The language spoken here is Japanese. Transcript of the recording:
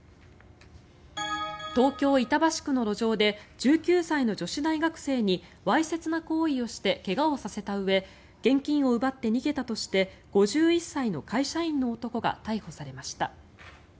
東京・板橋区の路上で１９歳の女子大学生にわいせつな行為をして怪我をさせたうえ現金を奪って逃げたとして５１歳の会社員の男が逮捕されました。